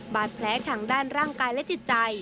บาดแผลทางด้านร่างกายและจิตใจ